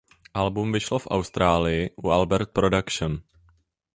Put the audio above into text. Album vyšlo v Austrálii u Albert Production.